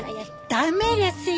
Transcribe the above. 駄目ですよ